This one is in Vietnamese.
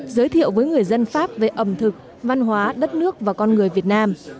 giới thiệu với người dân pháp về ẩm thực văn hóa đất nước và con người việt nam